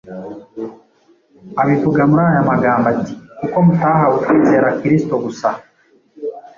Abivuga muri aya magambo ati, “Kuko mutahawe kwizera Kristo gusa,